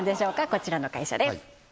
こちらの会社です